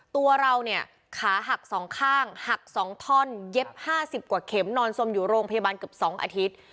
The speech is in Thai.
ตัวเราเนี่ยขาหัก๒ข้างหัก๒ท่อนเย็บ๕๐กว่าเข็มนอนสมอยู่โรงพยาบาลเกือบ๒อาทิตย์